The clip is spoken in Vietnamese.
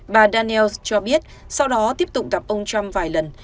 bà daniels cho biết sau đó tiếp tục gặp ông trump vài lần